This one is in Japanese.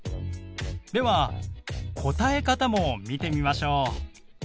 では答え方も見てみましょう。